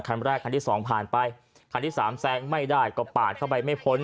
คันแรกคันที่สองผ่านไปคันที่สามแซงไม่ได้ก็ปาดเข้าไปไม่พ้น